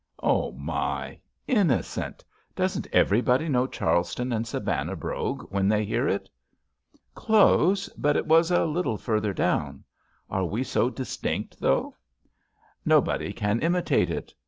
"Oh my! Innocent! Doesn't everybody know Charleston and Savannah brogue A^hen they hear it?" "Close. But it was a little further down. Are we so distinct, though?" "Nobody can imitate it.